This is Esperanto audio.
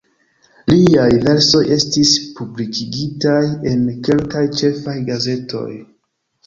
Liaj versoj estis publikigitaj en kelkaj ĉefaj gazetoj.